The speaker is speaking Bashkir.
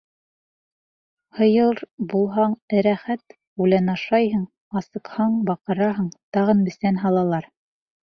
— Һыйыр булһаң эрәхәт, үлән ашайһың, асыҡһаң, баҡыраһың, тағы бесән һалалар.